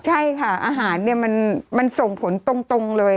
ใช่ค่ะอาหารเนี่ยมันส่งผลตรงเลย